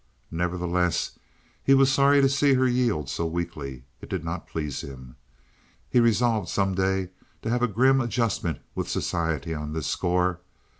Nevertheless, he was sorry to see her yield so weakly. It did not please him. He resolved some day to have a grim adjustment with society on this score.